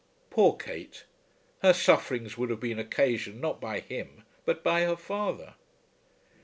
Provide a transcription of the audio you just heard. Poor Kate! Her sufferings would have been occasioned not by him, but by her father.